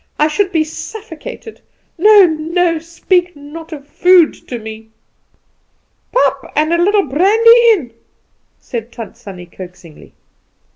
I should be suffocated. No, no! Speak not of food to me!" "Pap, and a little brandy in," said Tant Sannie coaxingly.